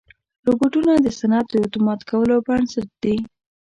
روبوټونه د صنعت د اتومات کولو بنسټ دي.